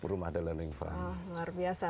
rumah the landing farm